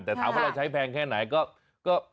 แต่ถามว่าเราใช้แพงแค่ไหนก็